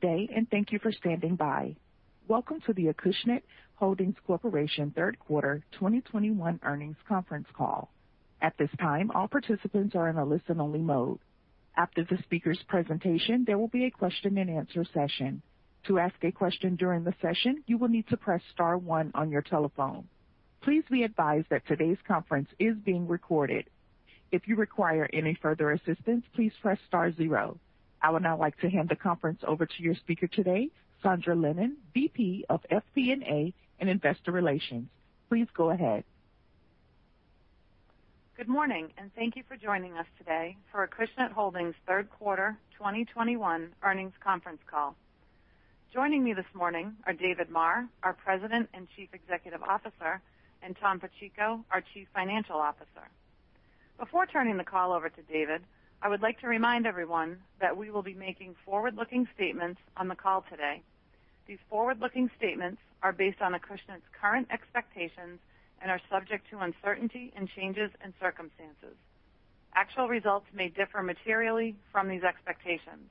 Good day, and thank you for standing by. Welcome to the Acushnet Holdings Corp. Q3 2021 earnings conference call. At this time, all participants are in a listen-only mode. After the speaker's presentation, there will be a question and answer session. To ask a question during the session, you will need to press star one on your telephone. Please be advised that today's conference is being recorded. If you require any further assistance, please press star zero. I would now like to hand the conference over to your speaker today, Sondra Lennon, VP of FP&A and Investor Relations. Please go ahead. Good morning, and thank you for joining us today for Acushnet Holdings Q3 2021 earnings conference call. Joining me this morning are David Maher, our President and Chief Executive Officer, and Tom Pacheco, our Chief Financial Officer. Before turning the call over to David, I would like to remind everyone that we will be making forward-looking statements on the call today. These forward-looking statements are based on Acushnet's current expectations and are subject to uncertainty and changes in circumstances. Actual results may differ materially from these expectations.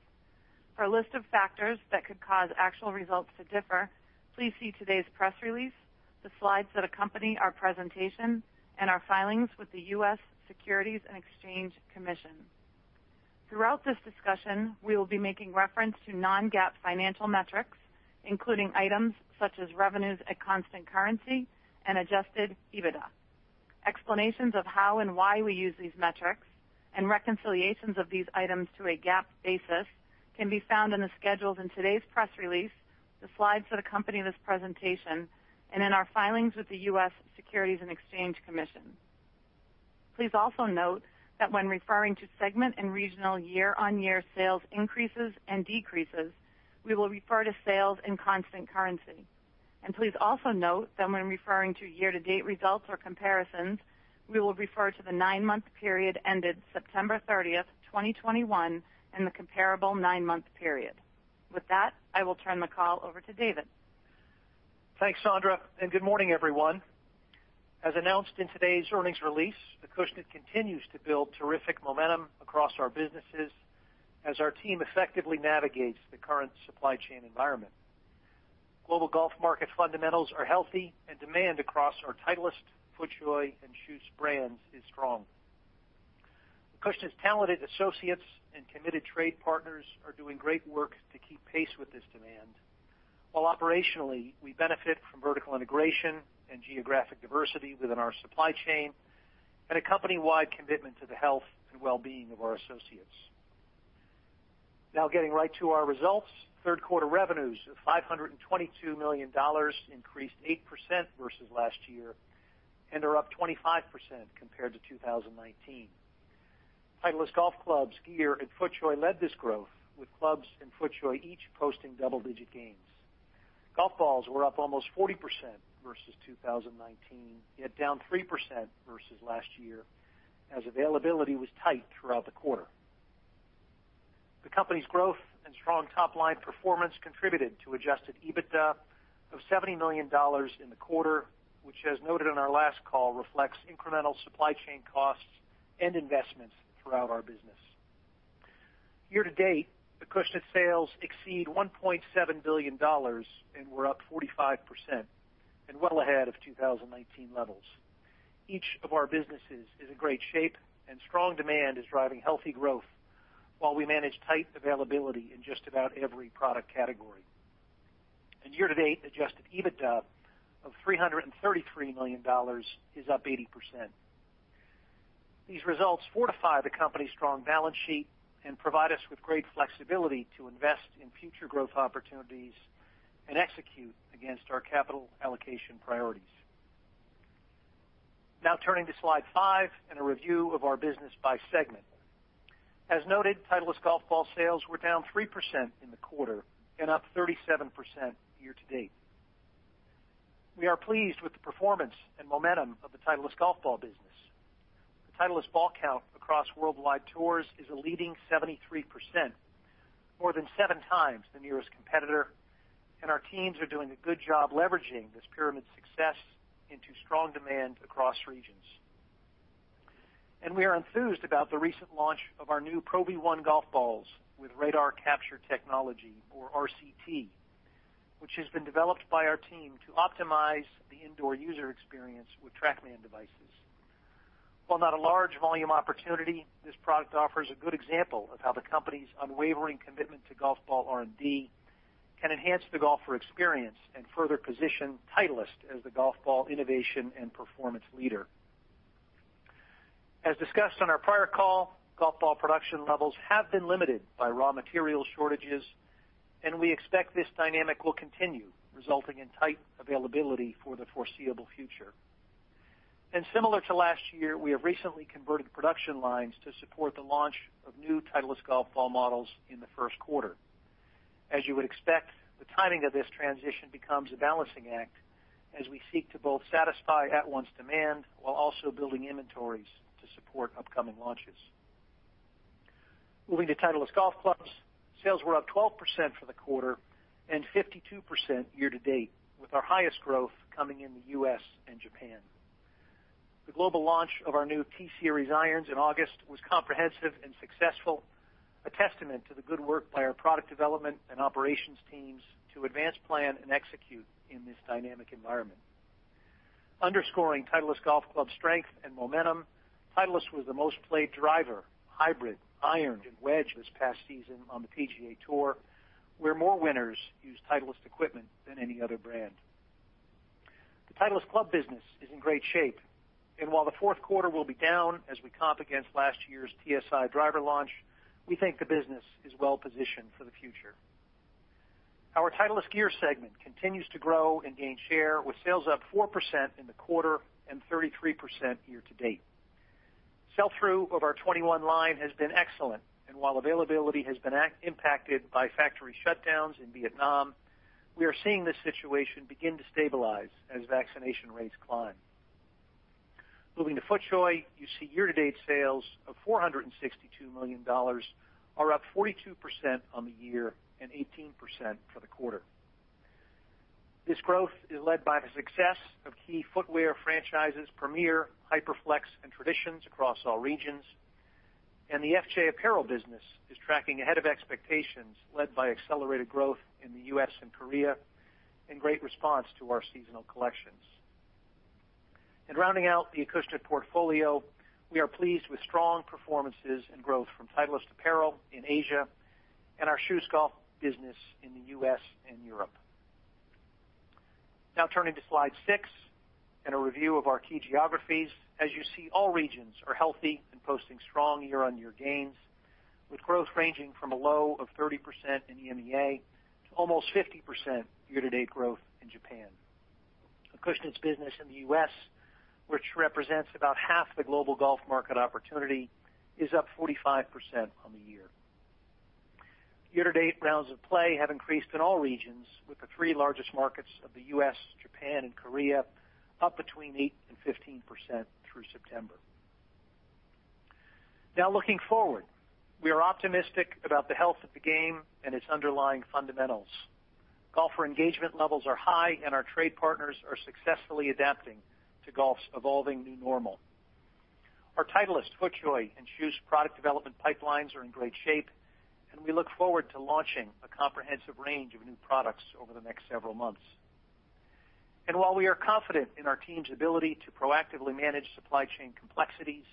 For a list of factors that could cause actual results to differ, please see today's press release, the slides that accompany our presentation, and our filings with the US Securities and Exchange Commission. Throughout this discussion, we will be making reference to non-GAAP financial metrics, including items such as revenues at constant currency and adjusted EBITDA. Explanations of how and why we use these metrics and reconciliations of these items to a GAAP basis can be found in the schedules in today's press release, the slides that accompany this presentation, and in our filings with the US Securities and Exchange Commission. Please also note that when referring to segment and regional year-over-year sales increases and decreases, we will refer to sales in constant currency. Please also note that when referring to year-to-date results or comparisons, we will refer to the nine-month period ended September thirtieth, twenty twenty-one, and the comparable nine-month period. With that, I will turn the call over to David. Thanks, Sondra, and good morning, everyone. As announced in today's earnings release, Acushnet continues to build terrific momentum across our businesses as our team effectively navigates the current supply chain environment. Global golf market fundamentals are healthy and demand across our Titleist, FootJoy and KJUS brands is strong. Acushnet's talented associates and committed trade partners are doing great work to keep pace with this demand, while operationally we benefit from vertical integration and geographic diversity within our supply chain and a company-wide commitment to the health and well-being of our associates. Now getting right to our results. Q3 revenues of $522 million increased 8% versus last year and are up 25% compared to 2019. Titleist golf clubs, gear and FootJoy led this growth, with clubs and FootJoy each posting double-digit gains. Golf balls were up almost 40% versus 2019, yet down 3% versus last year, as availability was tight throughout the quarter. The company's growth and strong top-line performance contributed to adjusted EBITDA of $70 million in the quarter, which, as noted on our last call, reflects incremental supply chain costs and investments throughout our business. Year to date, Acushnet sales exceed $1.7 billion and were up 45% and well ahead of 2019 levels. Each of our businesses is in great shape and strong demand is driving healthy growth while we manage tight availability in just about every product category. Year to date, adjusted EBITDA of $333 million is up 80%. These results fortify the company's strong balance sheet and provide us with great flexibility to invest in future growth opportunities and execute against our capital allocation priorities. Now turning to slide five and a review of our business by segment. As noted, Titleist golf ball sales were down 3% in the quarter and up 37% year to date. We are pleased with the performance and momentum of the Titleist golf ball business. The Titleist ball count across worldwide tours is a leading 73%, more than seven times the nearest competitor, and our teams are doing a good job leveraging this pyramid success into strong demand across regions. We are enthused about the recent launch of our new Pro V1 golf balls with radar capture technology or RCT, which has been developed by our team to optimize the indoor user experience with Trackman devices. While not a large volume opportunity, this product offers a good example of how the company's unwavering commitment to golf ball R&D can enhance the golfer experience and further position Titleist as the golf ball innovation and performance leader. As discussed on our prior call, golf ball production levels have been limited by raw material shortages, and we expect this dynamic will continue, resulting in tight availability for the foreseeable future. Similar to last year, we have recently converted production lines to support the launch of new Titleist golf ball models in the Q1. As you would expect, the timing of this transition becomes a balancing act as we seek to both satisfy current demand while also building inventories to support upcoming launches. Moving to Titleist golf clubs, sales were up 12% for the quarter and 52% year to date, with our highest growth coming in the U.S. and Japan. The global launch of our new T-Series irons in August was comprehensive and successful, a testament to the good work by our product development and operations teams to advance plan and execute in this dynamic environment. Underscoring Titleist golf club strength and momentum, Titleist was the most played driver, hybrid, iron and wedge this past season on the PGA TOUR, where more winners use Titleist equipment than any other brand. The Titleist club business is in great shape. While the Q4 will be down as we comp against last year's TSi driver launch, we think the business is well-positioned for the future. Our Titleist gear segment continues to grow and gain share, with sales up 4% in the quarter and 33% year-to-date. Sell-through of our 2021 line has been excellent, and while availability has been impacted by factory shutdowns in Vietnam, we are seeing this situation begin to stabilize as vaccination rates climb. Moving to FootJoy, you see year-to-date sales of $462 million are up 42% on the year and 18% for the quarter. This growth is led by the success of key footwear franchises, Premiere, HyperFlex, and Traditions across all regions. The FJ Apparel business is tracking ahead of expectations, led by accelerated growth in the U.S. and Korea and great response to our seasonal collections. Rounding out the Acushnet portfolio, we are pleased with strong performances and growth from Titleist apparel in Asia and our KJUS golf business in the U.S. and Europe. Now turning to slide six and a review of our key geographies. As you see, all regions are healthy and posting strong year-on-year gains, with growth ranging from a low of 30% in EMEA to almost 50% year-to-date growth in Japan. Acushnet's business in the U.S., which represents about half the global golf market opportunity, is up 45% on the year. Year-to-date rounds of play have increased in all regions, with the three largest markets of the U.S., Japan, and Korea up between 8% and 15% through September. Now looking forward, we are optimistic about the health of the game and its underlying fundamentals. Golfer engagement levels are high, and our trade partners are successfully adapting to golf's evolving new normal. Our Titleist, FootJoy, and KJUS product development pipelines are in great shape, and we look forward to launching a comprehensive range of new products over the next several months. While we are confident in our team's ability to proactively manage supply chain complexities,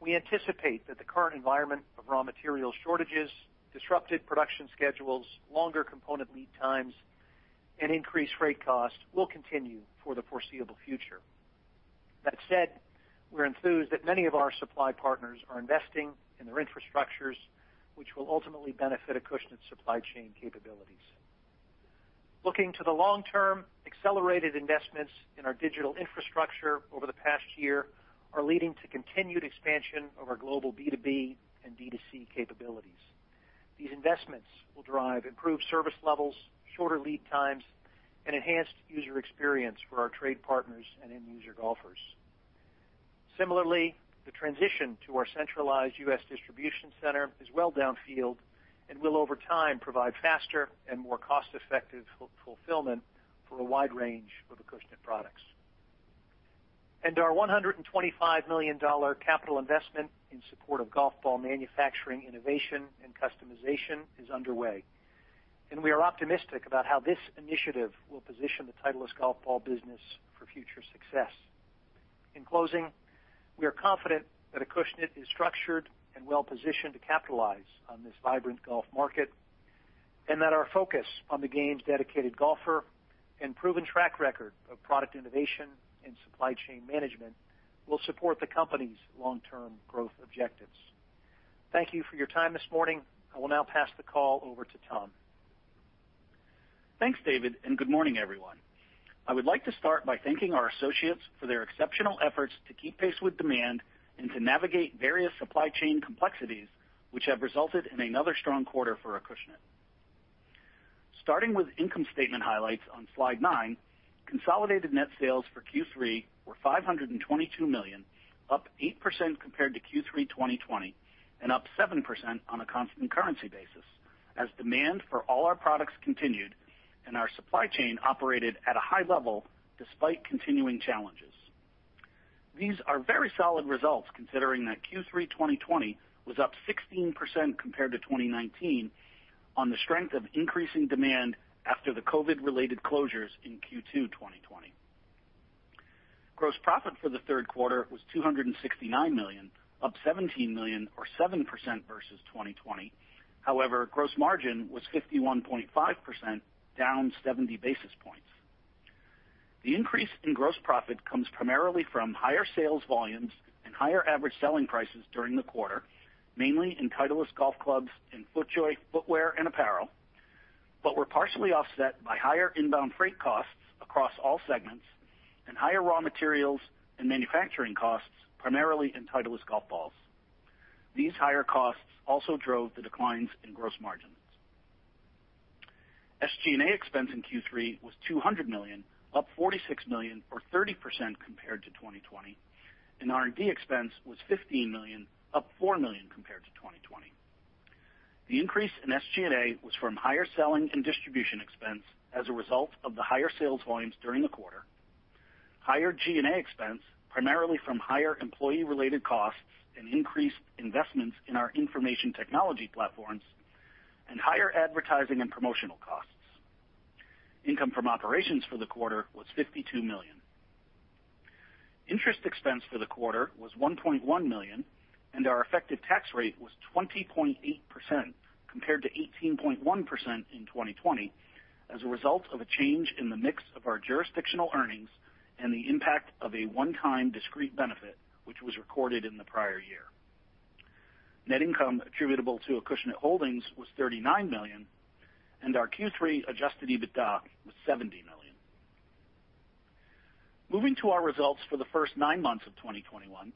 we anticipate that the current environment of raw material shortages, disrupted production schedules, longer component lead times, and increased freight costs will continue for the foreseeable future. That said, we're enthused that many of our supply partners are investing in their infrastructures, which will ultimately benefit Acushnet supply chain capabilities. Looking to the long term, accelerated investments in our digital infrastructure over the past year are leading to continued expansion of our global B2B and D2C capabilities. These investments will drive improved service levels, shorter lead times, and enhanced user experience for our trade partners and end user golfers. Similarly, the transition to our centralized U.S. distribution center is well downfield and will over time provide faster and more cost-effective fulfillment for a wide range of Acushnet products. Our $125 million capital investment in support of golf ball manufacturing innovation and customization is underway, and we are optimistic about how this initiative will position the Titleist golf ball business for future success. In closing, we are confident that Acushnet is structured and well-positioned to capitalize on this vibrant golf market, and that our focus on the game's dedicated golfer and proven track record of product innovation and supply chain management will support the company's long-term growth objectives. Thank you for your time this morning. I will now pass the call over to Tom. Thanks, David, and good morning, everyone. I would like to start by thanking our associates for their exceptional efforts to keep pace with demand and to navigate various supply chain complexities, which have resulted in another strong quarter for Acushnet. Starting with income statement highlights on slide nine, consolidated net sales for Q3 were $522 million, up 8% compared to Q3 2020 and up 7% on a constant currency basis, as demand for all our products continued and our supply chain operated at a high level despite continuing challenges. These are very solid results considering that Q3 2020 was up 16% compared to 2019 on the strength of increasing demand after the COVID-related closures in Q2 2020. Gross profit for the Q3 was $269 million, up $17 million or 7% versus 2020. However, gross margin was 51.5%, down 70 basis points. The increase in gross profit comes primarily from higher sales volumes and higher average selling prices during the quarter, mainly in Titleist golf clubs and FootJoy footwear and apparel, but were partially offset by higher inbound freight costs across all segments and higher raw materials and manufacturing costs, primarily in Titleist golf balls. These higher costs also drove the declines in gross margins. SG&A expense in Q3 was $200 million, up $46 million or 30% compared to 2020, and R&D expense was $15 million, up $4 million compared to 2020. The increase in SG&A was from higher selling and distribution expense as a result of the higher sales volumes during the quarter, higher G&A expense, primarily from higher employee-related costs and increased investments in our information technology platforms, and higher advertising and promotional costs. Income from operations for the quarter was $52 million. Interest expense for the quarter was $1.1 million, and our effective tax rate was 20.8% compared to 18.1% in 2020 as a result of a change in the mix of our jurisdictional earnings and the impact of a one-time discrete benefit, which was recorded in the prior year. Net income attributable to Acushnet Holdings was $39 million, and our Q3 adjusted EBITDA was $70 million. Moving to our results for the first nine months of 2021,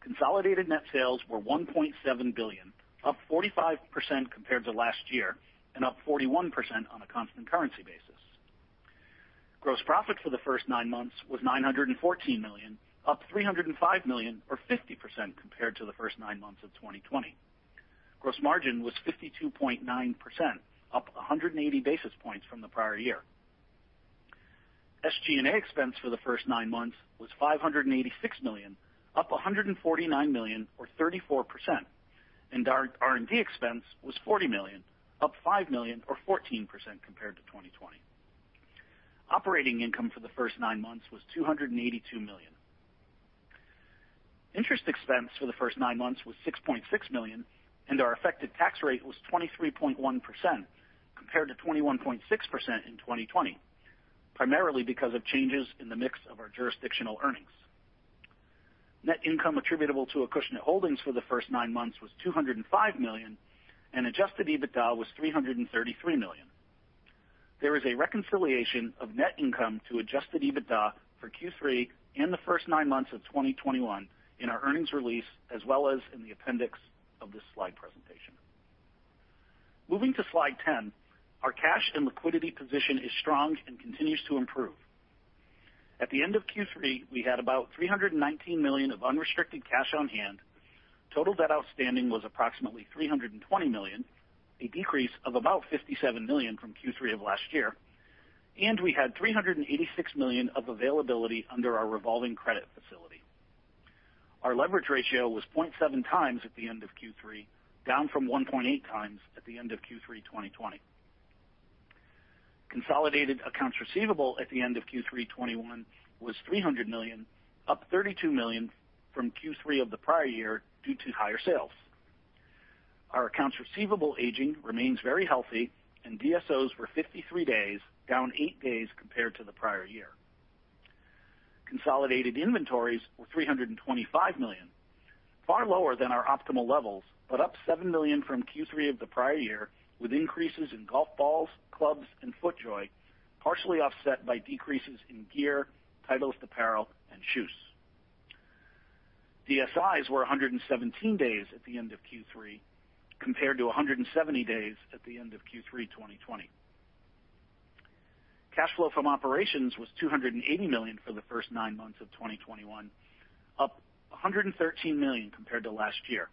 consolidated net sales were $1.7 billion, up 45% compared to last year and up 41% on a constant currency basis. Gross profit for the first nine months was $914 million, up $305 million or 50% compared to the first nine months of 2020. Gross margin was 52.9%, up 180 basis points from the prior year. SG&A expense for the first nine months was $586 million, up $149 million or 34%, and our R&D expense was $40 million, up $5 million or 14% compared to 2020. Operating income for the first nine months was $282 million. Interest expense for the first nine months was $6.6 million, and our effective tax rate was 23.1% compared to 21.6% in 2020, primarily because of changes in the mix of our jurisdictional earnings. Net income attributable to Acushnet Holdings for the first nine months was $205 million, and adjusted EBITDA was $333 million. There is a reconciliation of net income to adjusted EBITDA for Q3 and the first 9 months of 2021 in our earnings release as well as in the appendix of this slide presentation. Moving to slide 10, our cash and liquidity position is strong and continues to improve. At the end of Q3, we had about $319 million of unrestricted cash on hand. Total debt outstanding was approximately $320 million, a decrease of about $57 million from Q3 of last year, and we had $386 million of availability under our revolving credit facility. Our leverage ratio was 0.7x at the end of Q3, down from 1.8x at the end of Q3 2020. Consolidated accounts receivable at the end of Q3 2021 was $300 million, up $32 million from Q3 of the prior year due to higher sales. Our accounts receivable aging remains very healthy, and DSOs were 53 days, down eight days compared to the prior year. Consolidated inventories were $325 million, far lower than our optimal levels, but up $7 million from Q3 of the prior year, with increases in golf balls, clubs and FootJoy, partially offset by decreases in gear, Titleist apparel and shoes. DSIs were 117 days at the end of Q3 compared to 170 days at the end of Q3 2020. Cash flow from operations was $280 million for the first nine months of 2021, up $113 million compared to last year.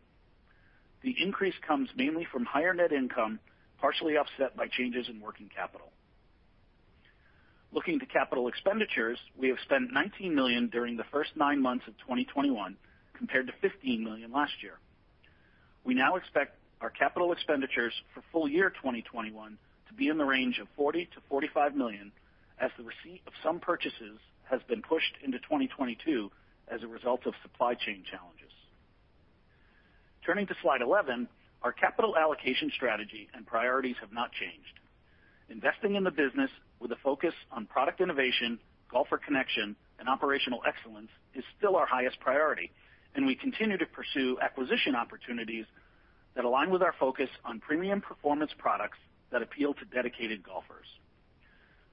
The increase comes mainly from higher net income, partially offset by changes in working capital. Looking to capital expenditures, we have spent $19 million during the first nine months of 2021 compared to $15 million last year. We now expect our capital expenditures for full year 2021 to be in the range of $40 million-$45 million, as the receipt of some purchases has been pushed into 2022 as a result of supply chain challenges. Turning to slide 11, our capital allocation strategy and priorities have not changed. Investing in the business with a focus on product innovation, golfer connection and operational excellence is still our highest priority, and we continue to pursue acquisition opportunities that align with our focus on premium performance products that appeal to dedicated golfers.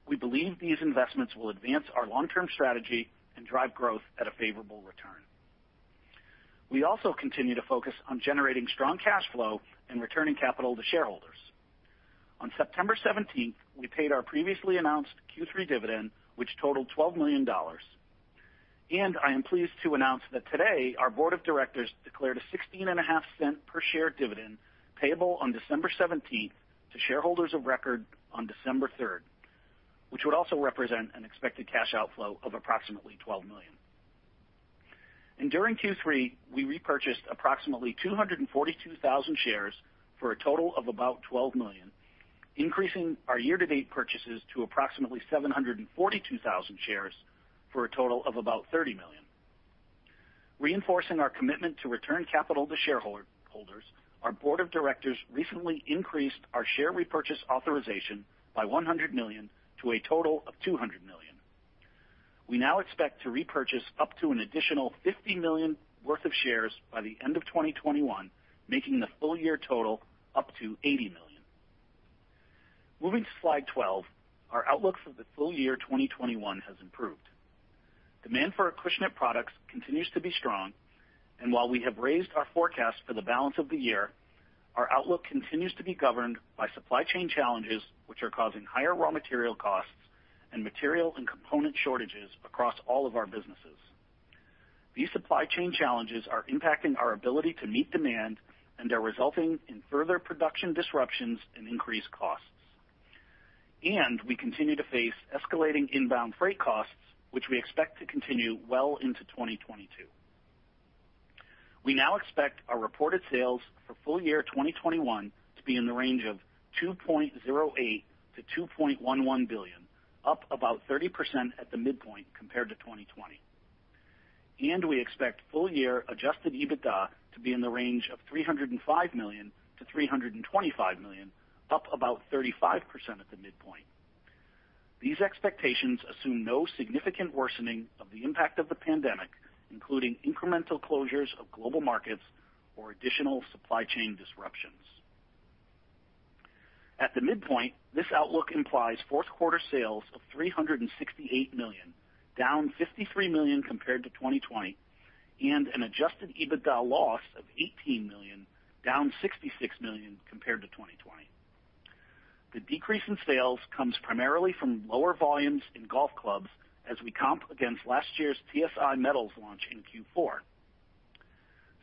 We believe these investments will advance our long-term strategy and drive growth at a favorable return. We also continue to focus on generating strong cash flow and returning capital to shareholders. On September 17, we paid our previously announced Q3 dividend, which totaled $12 million. I am pleased to announce that today our board of directors declared a $0.165 per share dividend payable on December 17 to shareholders of record on December 3, which would also represent an expected cash outflow of approximately $12 million. During Q3, we repurchased approximately 242,000 shares for a total of about $12 million, increasing our year-to-date purchases to approximately 742,000 shares for a total of about $30 million. Reinforcing our commitment to return capital to shareholders, our board of directors recently increased our share repurchase authorization by $100 million to a total of $200 million. We now expect to repurchase up to an additional $50 million worth of shares by the end of 2021, making the full year total up to $80 million. Moving to slide 12, our outlook for the full year 2021 has improved. Demand for Acushnet products continues to be strong, and while we have raised our forecast for the balance of the year, our outlook continues to be governed by supply chain challenges, which are causing higher raw material costs and material and component shortages across all of our businesses. These supply chain challenges are impacting our ability to meet demand and are resulting in further production disruptions and increased costs. We continue to face escalating inbound freight costs, which we expect to continue well into 2022. We now expect our reported sales for full year 2021 to be in the range of $2.08 billion-$2.11 billion, up about 30% at the midpoint compared to 2020. We expect full year adjusted EBITDA to be in the range of $305 million-$325 million, up about 35% at the midpoint. These expectations assume no significant worsening of the impact of the pandemic, including incremental closures of global markets or additional supply chain disruptions. At the midpoint, this outlook implies Q4 sales of $368 million, down $53 million compared to 2020, and an adjusted EBITDA loss of $18 million, down $66 million compared to 2020. The decrease in sales comes primarily from lower volumes in golf clubs as we comp against last year's TSi metals launch in Q4.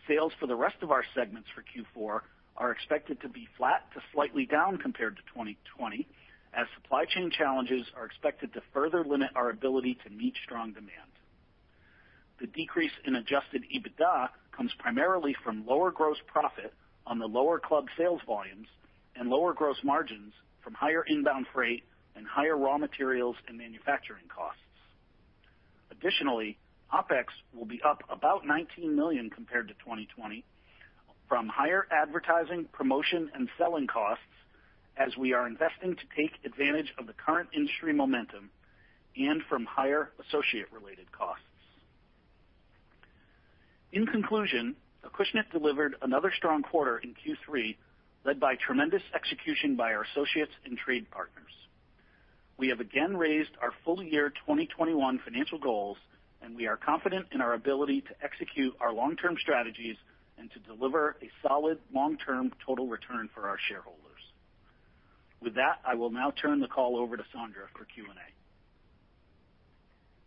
Sales for the rest of our segments for Q4 are expected to be flat to slightly down compared to 2020, as supply chain challenges are expected to further limit our ability to meet strong demand. The decrease in adjusted EBITDA comes primarily from lower gross profit on the lower club sales volumes and lower gross margins from higher inbound freight and higher raw materials and manufacturing costs. Additionally, OpEx will be up about $19 million compared to 2020 from higher advertising, promotion, and selling costs as we are investing to take advantage of the current industry momentum and from higher associate related costs. In conclusion, Acushnet delivered another strong quarter in Q3, led by tremendous execution by our associates and trade partners. We have again raised our full year 2021 financial goals, and we are confident in our ability to execute our long-term strategies and to deliver a solid long-term total return for our shareholders. With that, I will now turn the call over to Sondra for Q&A.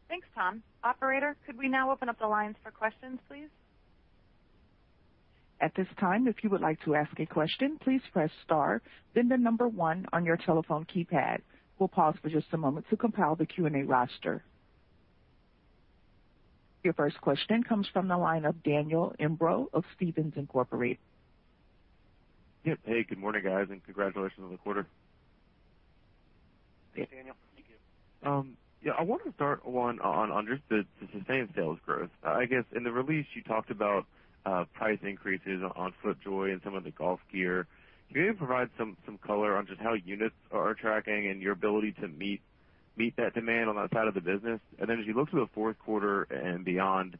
Thanks, Tom. Operator, could we now open up the lines for questions, please? At this time, if you would like to ask a question, please press star, then the number one on your telephone keypad. We'll pause for just a moment to compile the Q&A roster. Your first question comes from the line of Daniel Imbro of Stephens Inc. Yeah. Hey, good morning, guys, and congratulations on the quarter. Hey, Daniel. Thank you. Yeah, I wanted to start one on the sustained sales growth. I guess in the release, you talked about price increases on FootJoy and some of the golf gear. Can you provide some color on just how units are tracking and your ability to meet that demand on that side of the business? And then as you look to the Q4 and beyond,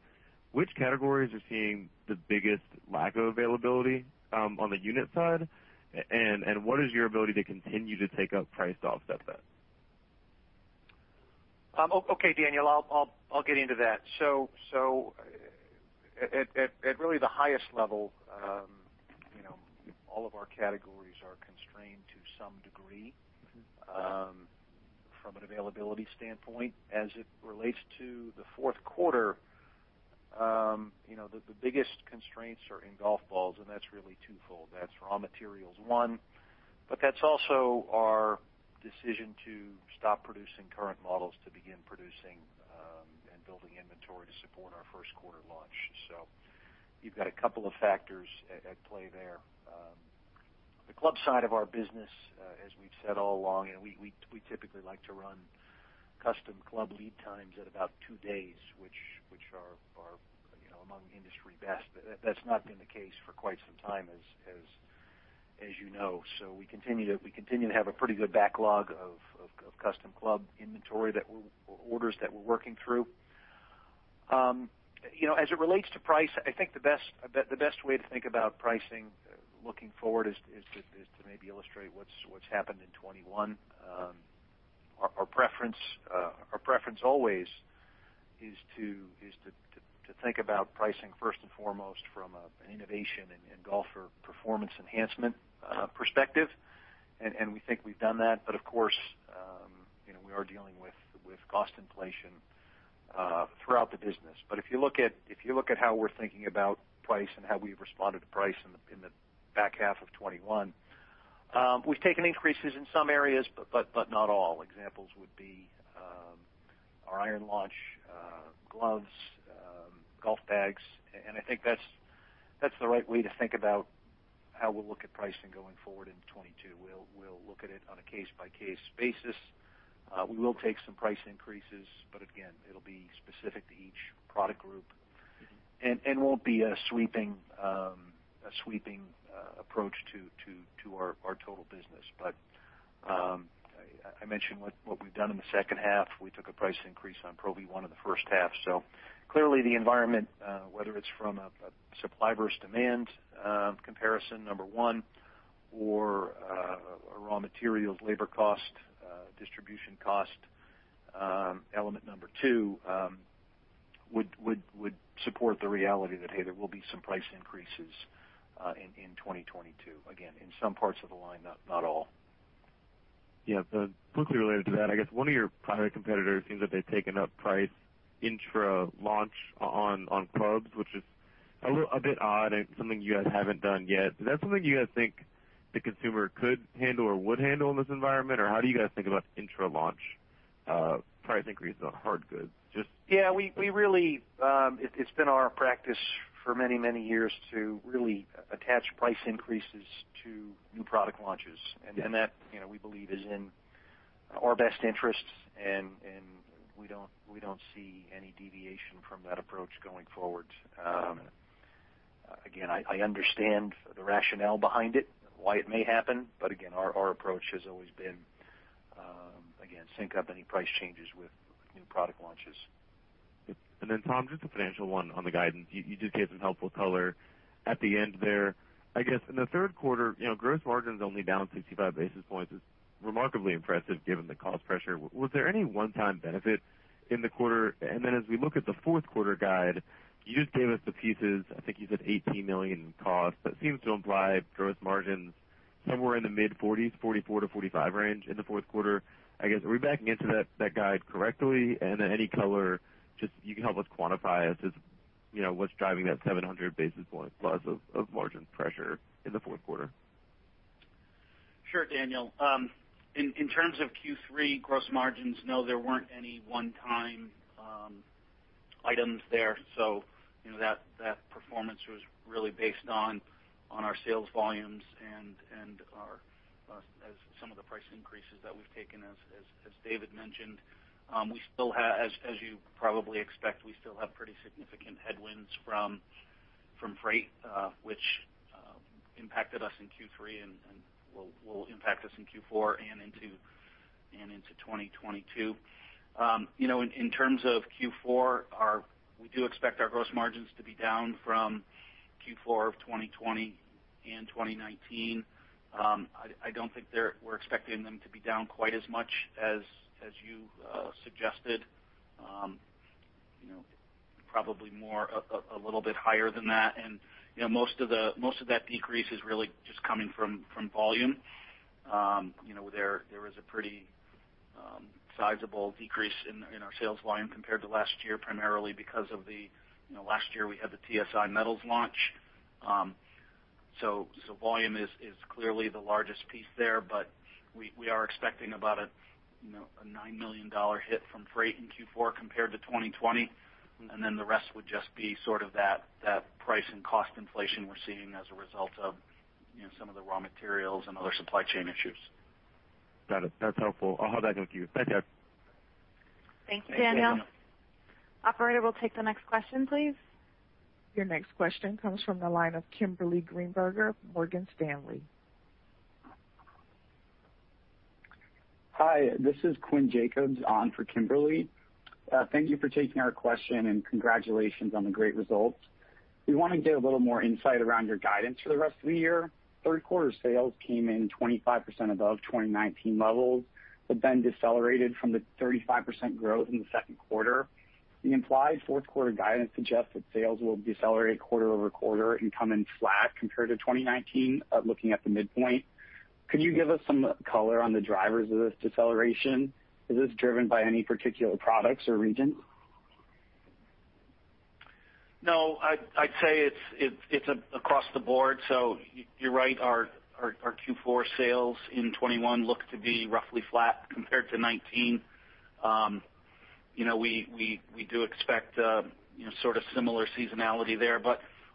which categories are seeing the biggest lack of availability on the unit side, and what is your ability to continue to take up price to offset that? Okay, Daniel. I'll get into that. At really the highest level, you know, all of our categories are constrained to some degree from an availability standpoint. As it relates to the Q4, you know, the biggest constraints are in golf balls, and that's really twofold. That's raw materials, one, but that's also our decision to stop producing current models to begin producing and building inventory to support our Q1 launch. You've got a couple of factors at play there. The club side of our business, as we've said all along, and we typically like to run custom club lead times at about two days, which are, you know, among industry best. That's not been the case for quite some time as you know. We continue to have a pretty good backlog of orders that we're working through. You know, as it relates to price, I think the best way to think about pricing looking forward is to maybe illustrate what's happened in 2021. Our preference always is to think about pricing first and foremost from an innovation and golfer performance enhancement perspective. We think we've done that. But of course, you know, we are dealing with cost inflation throughout the business. If you look at how we're thinking about price and how we've responded to price in the back half of 2021, we've taken increases in some areas, but not all. Examples would be our iron launch, gloves, golf bags, and I think that's the right way to think about how we'll look at pricing going forward in 2022. We'll look at it on a case-by-case basis. We will take some price increases, but again, it'll be specific to each product group. And won't be a sweeping approach to our total business. I mentioned what we've done in the second half. We took a price increase on Pro V1 in the first half. Clearly the environment, whether it's from a supply versus demand comparison, number one, or a raw materials, labor cost, distribution cost element number two, would support the reality that, hey, there will be some price increases in 2022, again, in some parts of the line, not all. Yeah. Closely related to that, I guess one of your private competitors seems that they've taken up price intra-launch on clubs, which is a bit odd and something you guys haven't done yet. Is that something you guys think the consumer could handle or would handle in this environment? Or how do you guys think about intra-launch price increase on hard goods? Just Yeah, we really, it's been our practice for many years to really attach price increases to new product launches. That, you know, we believe is in our best interests, and we don't see any deviation from that approach going forward. Again, I understand the rationale behind it, why it may happen, but again, our approach has always been, again, to sync up any price changes with new product launches. Tom, just a financial one on the guidance. You did give some helpful color at the end there. I guess in the Q3, you know, gross margins only down 65 basis points is remarkably impressive given the cost pressure. Was there any one-time benefit in the quarter? Then as we look at the Q4 guide, you just gave us the pieces. I think you said $18 million in costs. That seems to imply gross margins somewhere in the mid-40s, 44%-45% range in the Q4. I guess, are we backing into that guide correctly? Any color, just you can help us quantify as, you know, what's driving that 700 basis points plus of margin pressure in the Q4. Sure, Daniel. In terms of Q3 gross margins, no, there weren't any one-time items there. You know, that performance was really based on our sales volumes and some of the price increases that we've taken, as David mentioned. You probably expect we still have pretty significant headwinds from freight, which impacted us in Q3 and will impact us in Q4 and into 2022. You know, in terms of Q4, we do expect our gross margins to be down from Q4 of 2020 and 2019. I don't think we're expecting them to be down quite as much as you suggested. You know, probably more a little bit higher than that. You know, most of that decrease is really just coming from volume. You know, there is a pretty sizable decrease in our sales volume compared to last year, primarily because last year we had the TSi metals launch. So volume is clearly the largest piece there. But we are expecting about a you know, a $9 million hit from freight in Q4 compared to 2020, and then the rest would just be sort of that price and cost inflation we're seeing as a result of you know, some of the raw materials and other supply chain issues. Got it. That's helpful. I'll hold that with you. Thanks, guys. Thanks, Daniel. Thank you. Operator, we'll take the next question, please. Your next question comes from the line of Kimberly Greenberger, Morgan Stanley. Hi, this is Quinn Jacobs on for Kimberly. Thank you for taking our question and congratulations on the great results. We want to get a little more insight around your guidance for the rest of the year. Q3 sales came in 25% above 2019 levels, but then decelerated from the 35% growth in the Q2. The implied Q4 guidance suggests that sales will decelerate quarter-over-quarter and come in flat compared to 2019, looking at the midpoint. Could you give us some color on the drivers of this deceleration? Is this driven by any particular products or regions? No, I'd say it's across the board. You're right. Our Q4 sales in 2021 look to be roughly flat compared to 2019. You know, we do expect you know, sort of similar seasonality there.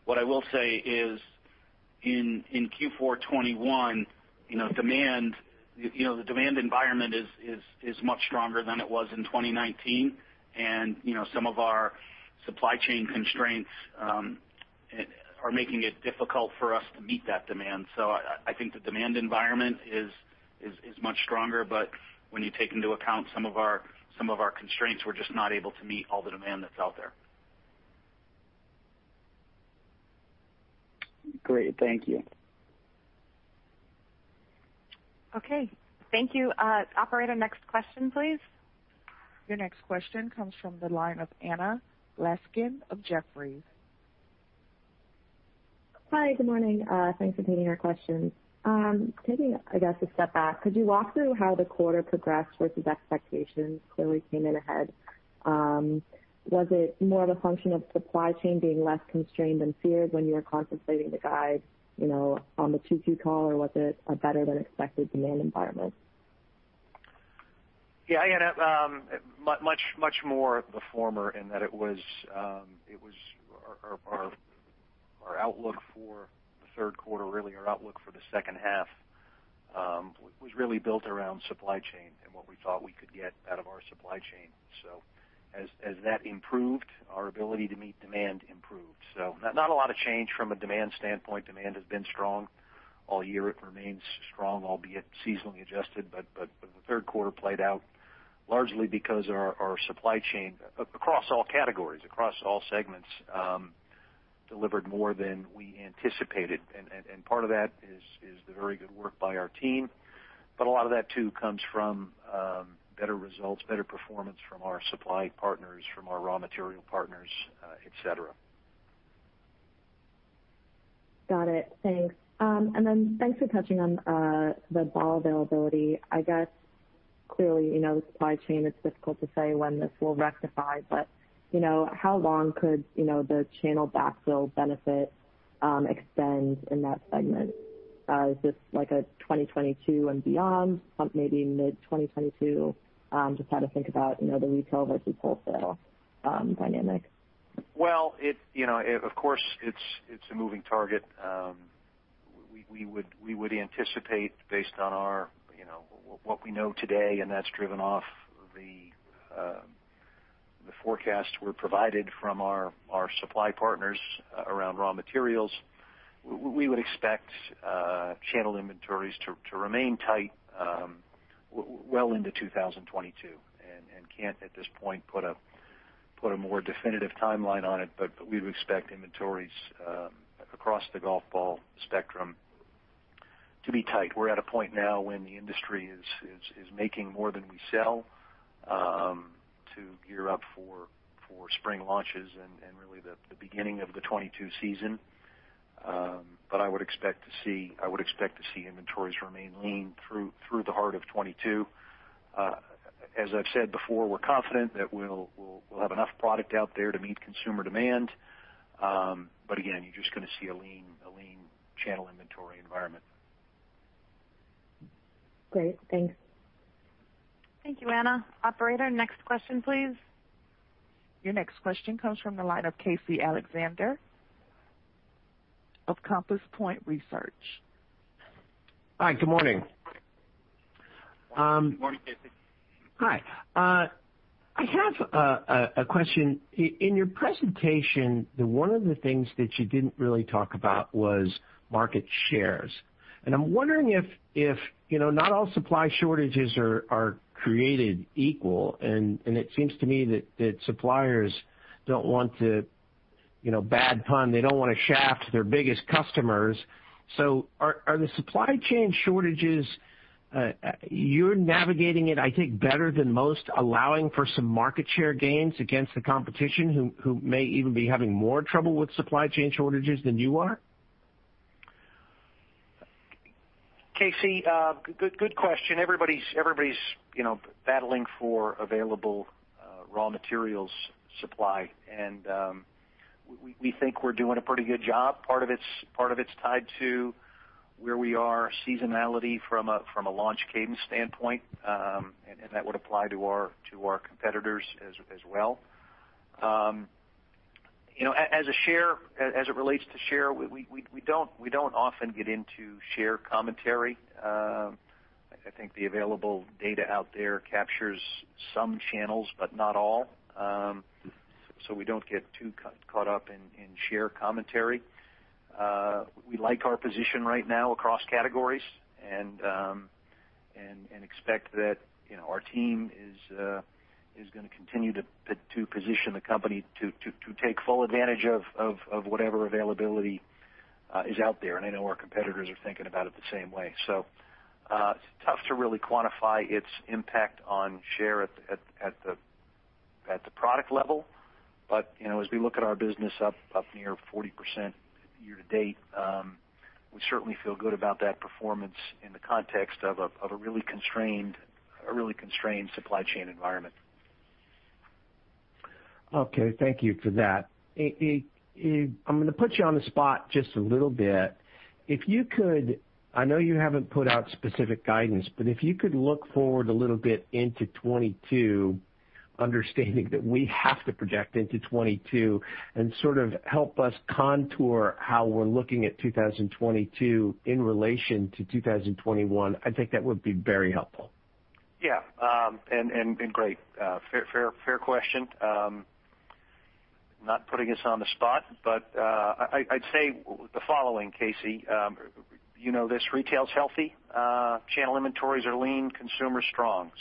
What I will say is in Q4 2021, you know, demand, you know, the demand environment is much stronger than it was in 2019. You know, some of our supply chain constraints are making it difficult for us to meet that demand. I think the demand environment is much stronger. But when you take into account some of our constraints, we're just not able to meet all the demand that's out there. Great. Thank you. Okay. Thank you. Operator, next question, please. Your next question comes from the line of Anna Laskin of Jefferies. Hi. Good morning. Thanks for taking our questions. Taking, I guess, a step back, could you walk through how the quarter progressed versus expectations? Clearly came in ahead. Was it more of a function of supply chain being less constrained than feared when you were contemplating the guide, you know, on the Q2 call? Or was it a better than expected demand environment? Yeah, Anna. Much more the former in that it was our outlook for the Q3, really our outlook for the second half, was really built around supply chain and what we thought we could get out of our supply chain. As that improved, our ability to meet demand improved. Not a lot of change from a demand standpoint. Demand has been strong all year. It remains strong, albeit seasonally adjusted. The Q3 played out largely because our supply chain across all categories, across all segments, delivered more than we anticipated. Part of that is the very good work by our team. A lot of that too comes from better results, better performance from our supply partners, from our raw material partners, et cetera. Got it. Thanks. Thanks for touching on the ball availability. I guess, clearly, you know, the supply chain, it's difficult to say when this will rectify, but, you know, how long could, you know, the channel backfill benefit extend in that segment? Is this like a 2022 and beyond, maybe mid-2022? Just how to think about, you know, the retail versus wholesale dynamic. Well, you know, of course, it's a moving target. We would anticipate based on our, you know, what we know today, and that's driven off the forecast we're provided from our supply partners around raw materials. We would expect channel inventories to remain tight well into 2022, and can't at this point put a more definitive timeline on it. We would expect inventories across the golf ball spectrum to be tight. We're at a point now when the industry is making more than we sell to gear up for spring launches and really the beginning of the 2022 season. I would expect to see inventories remain lean through the heart of 2022. As I've said before, we're confident that we'll have enough product out there to meet consumer demand. Again, you're just gonna see a lean channel inventory environment. Great. Thanks. Thank you, Anna. Operator, next question, please. Your next question comes from the line of Casey Alexander of Compass Point Research. Hi, good morning. Good morning, Casey. Hi. I have a question. In your presentation, one of the things that you didn't really talk about was market shares. I'm wondering if, you know, not all supply shortages are created equal, and it seems to me that suppliers don't want to, you know, bad pun, they don't wanna shaft their biggest customers. Are the supply chain shortages you're navigating, I think, better than most, allowing for some market share gains against the competition who may even be having more trouble with supply chain shortages than you are? Casey, good question. Everybody's, you know, battling for available raw materials supply. We think we're doing a pretty good job. Part of it's tied to where we are seasonality from a launch cadence standpoint, and that would apply to our competitors as well. You know, as a share, as it relates to share, we don't often get into share commentary. I think the available data out there captures some channels, but not all. We don't get too caught up in share commentary. We like our position right now across categories and expect that, you know, our team is gonna continue to position the company to take full advantage of whatever availability is out there. I know our competitors are thinking about it the same way. It's tough to really quantify its impact on share at the product level. You know, as we look at our business up near 40% year to date, we certainly feel good about that performance in the context of a really constrained supply chain environment. Okay. Thank you for that. I'm gonna put you on the spot just a little bit. If you could look forward a little bit into 2022, understanding that we have to project into 2022, and sort of help us contour how we're looking at 2022 in relation to 2021, I think that would be very helpful. Yeah. Great. Fair question. Not putting us on the spot, but I'd say the following, Casey. You know this, retail is healthy, channel inventories are lean, consumer strong.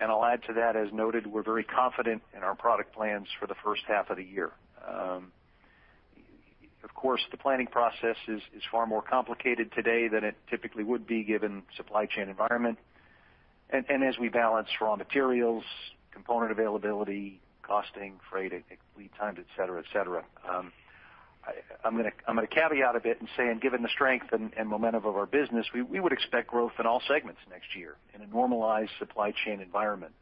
I'll add to that, as noted, we're very confident in our product plans for the first half of the year. Of course, the planning process is far more complicated today than it typically would be given supply chain environment. As we balance raw materials, component availability, costing, freight, lead times, et cetera. I'm gonna caveat a bit and say, given the strength and momentum of our business, we would expect growth in all segments next year in a normalized supply chain environment.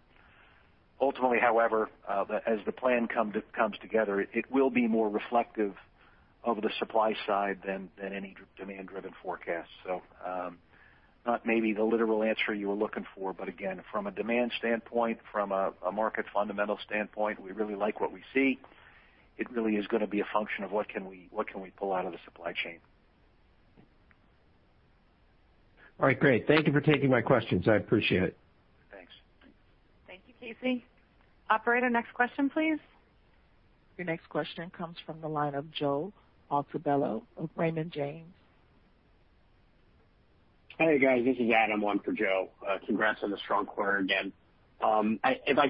Ultimately, however, as the plan comes together, it will be more reflective of the supply side than any demand driven forecast. So, not maybe the literal answer you were looking for, but again, from a demand standpoint, from a market fundamental standpoint, we really like what we see. It really is gonna be a function of what can we pull out of the supply chain. All right, great. Thank you for taking my questions. I appreciate it. Thanks. Thank you, Casey. Operator, next question, please. Your next question comes from the line of Joe Altobello of Raymond James. Hey, guys. This is Adam calling in for Joe. Congrats on the strong quarter again. If I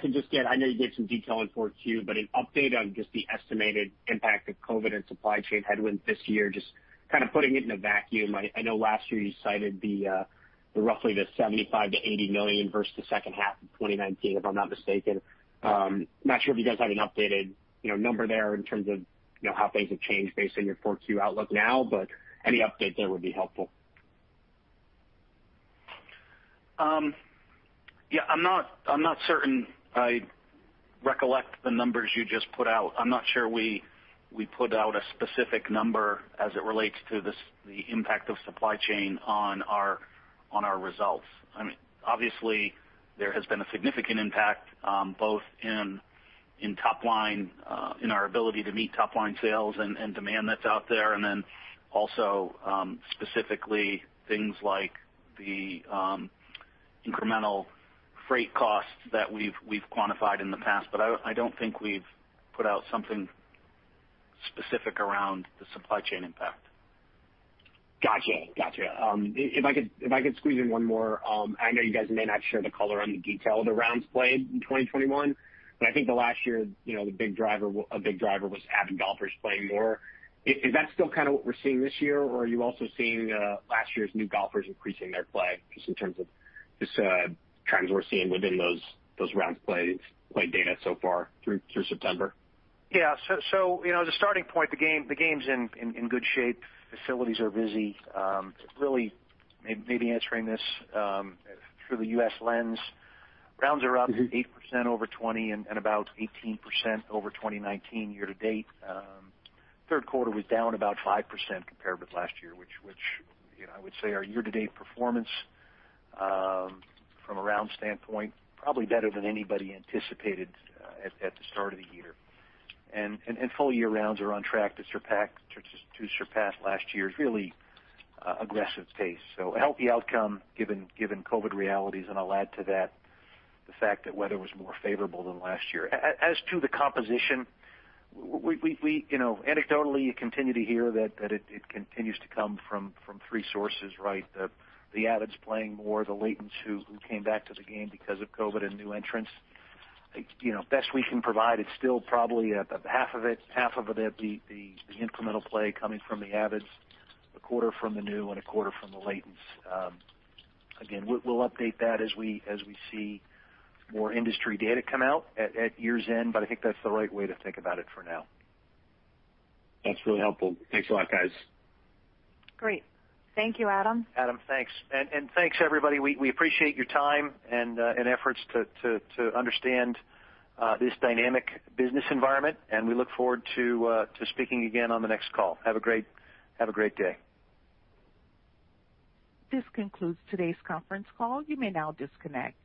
could just get, I know you gave some detail in 4Q, but an update on just the estimated impact of COVID and supply chain headwinds this year, just kind of putting it in a vacuum. I know last year you cited the roughly $75 million-$80 million versus the second half of 2019, if I'm not mistaken. I'm not sure if you guys have an updated, you know, number there in terms of, you know, how things have changed based on your 4Q outlook now, but any update there would be helpful. I'm not certain I recollect the numbers you just put out. I'm not sure we put out a specific number as it relates to the impact of supply chain on our results. I mean, obviously, there has been a significant impact, both in top line, in our ability to meet top line sales and demand that's out there. Then also, specifically things like the incremental freight costs that we've quantified in the past. I don't think we've put out something specific around the supply chain impact. Gotcha. If I could squeeze in one more. I know you guys may not share the color on the detail of the rounds played in 2021, but I think last year, you know, a big driver was avid golfers playing more. Is that still kind of what we're seeing this year, or are you also seeing last year's new golfers increasing their play just in terms of just trends we're seeing within those rounds played, play data so far through September? Yeah, you know, the starting point, the game's in good shape. Facilities are busy. Really maybe answering this through the U.S. lens, rounds are up- ...8% over 2020 and about 18% over 2019 year to date. Q3 was down about 5% compared with last year, which you know, I would say our year to date performance from a round standpoint probably better than anybody anticipated at the start of the year. Full year rounds are on track to surpass last year's really aggressive pace. A healthy outcome given COVID realities. I'll add to that the fact that weather was more favorable than last year. As to the composition, we you know, anecdotally, you continue to hear that it continues to come from three sources, right? The avids playing more, the latents who came back to the game because of COVID, and new entrants. You know, best we can provide, it's still probably half of it, the incremental play coming from the avids, a quarter from the new and a quarter from the latents. Again, we'll update that as we see more industry data come out at year's end, but I think that's the right way to think about it for now. That's really helpful. Thanks a lot, guys. Great. Thank you, Adam. Adam, thanks. And thanks everybody. We appreciate your time and efforts to understand this dynamic business environment, and we look forward to speaking again on the next call. Have a great day. This concludes today's conference call. You may now disconnect.